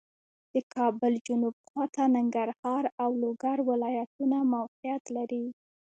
د کابل جنوب خواته ننګرهار او لوګر ولایتونه موقعیت لري